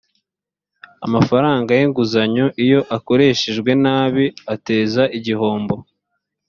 amafaranga y ‘inguzanyo iyo akoreshejwe nabi ateza igihombo.